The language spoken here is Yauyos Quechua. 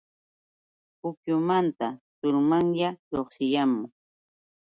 Pukyumanta turumanya lluqsiyaamun.